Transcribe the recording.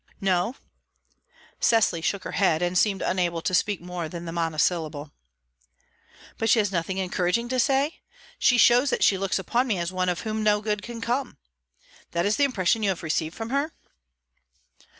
"No." Cecily shook her head, and seemed unable to speak more than the monosyllable. "But she has nothing encouraging to say? She shows that she looks upon me as one of whom no good can come? That is the impression you have received from her?"